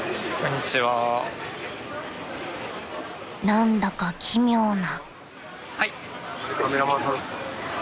［何だか奇妙な］